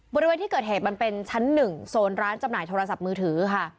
บริเวณที่เกิดเหตุมันเป็นชั้น๑โซนร้านจำหน่ายโทรศัพท์มือถือค่ะ